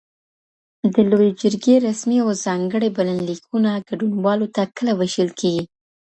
د لویې جرګي رسمي او ځانګړي بلنلیکونه ګډونوالو ته کله ویشل کیږي؟